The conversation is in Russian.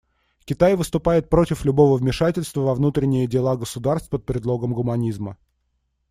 Китай выступает против любого вмешательства во внутренние дела государств под предлогом гуманизма.